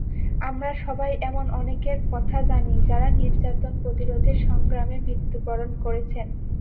আমরা সবাই এমন অনেকের কথা জানি, যাঁরা নির্যাতন প্রতিরোধের সংগ্রামে মৃত্যুবরণ করেছেন।